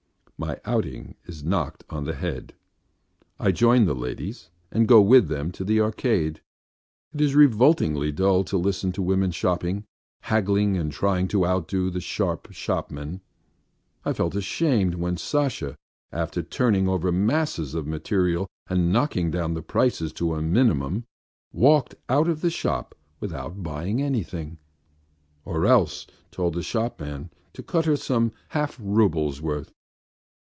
My outing is knocked on the head. I join the ladies and go with them to the Arcade. It is revoltingly dull to listen to women shopping, haggling and trying to outdo the sharp shopman. I felt ashamed when Sasha, after turning over masses of material and knocking down the prices to a minimum, walked out of the shop without buying anything, or else told the shopman to cut her some half rouble's worth.